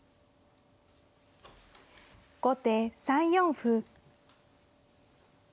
後手３四歩。